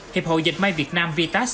hiệp hội dịch may việt nam vitas